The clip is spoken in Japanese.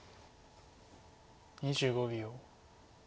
２５秒。